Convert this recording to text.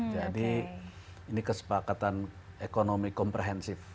jadi ini kesepakatan ekonomi komprehensif